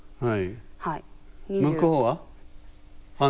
はい。